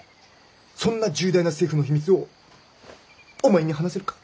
そんな重大な政府の秘密をお前に話せるか？